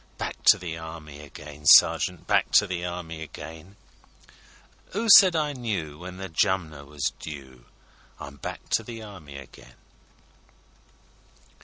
â Back to the Army again, sergeant, Back to the Army again; 'Oo said I knew when the Jumner was due? I'm back to the Army again!